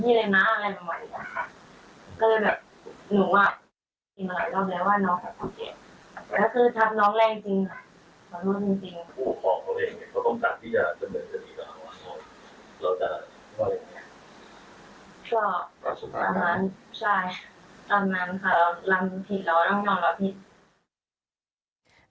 ก็ตามนั้นค่ะเราลำผิดแล้วต้องยอมรับผิด